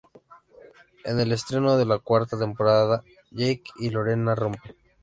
En el estreno de la cuarta temporada, Jake y Lorena rompen.